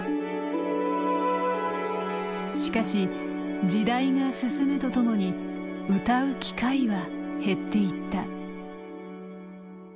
しかし時代が進むとともに歌う機会は減っていった。